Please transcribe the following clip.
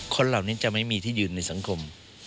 คนเหล่านี้จะไม่มีที่ยืนในสังคม